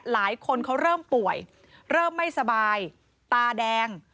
หลายคนเขาเริ่มป่วยเริ่มไม่สบายตาแดง